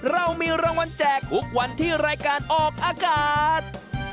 เรามีรางวัลแจกทุกวันที่รายการออกอากาศ